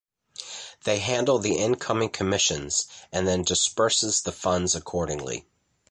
They handle the incoming commissions, and then disburses the funds accordingly.